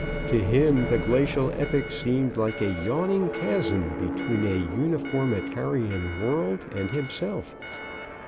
TO HIM THE GLACIAL EPOCH SEEMED LIKE A YAWNING CHASM BETWEEN A UNIFORMITARIAN WORLD AND HIMSELF.